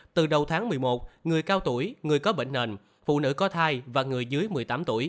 từ đầu tháng một mươi một người cao tuổi người có bệnh nền phụ nữ có thai và người dưới một mươi tám tuổi